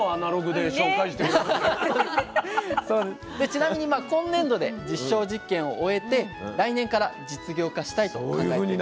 ちなみに今年度で実証実験を終えて来年から事業化したいと考えているそうです。